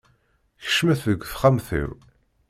Kecmet deg texxamt-iw.